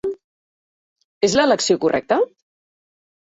És l'elecció correcta?